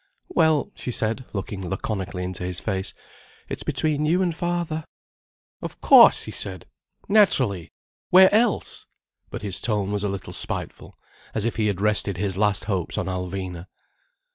"Well," she said, looking laconically into his face: "It's between you and father—" "Of cauce!" he said. "Naturally! Where else—!" But his tone was a little spiteful, as if he had rested his last hopes on Alvina.